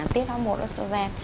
tiết hóa một oxygen